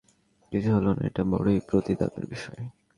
তাঁর স্মৃতি রক্ষায় চট্টগ্রামে আজও কিছু হলো না, এটা বড়ই পরিতাপের বিষয়।